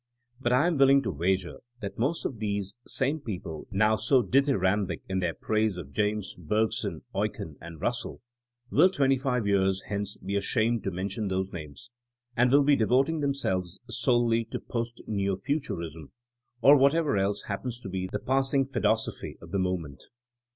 But I am willing to wager that most of these same people now so dithyrambic in their praise of James, Bergson, Eucken and Russell will twenty five years hence be ashamed to mention those names, and will be devoting themselves solely to Post neo futurism, or whatever else happens to be the passing fadosophy of the moment.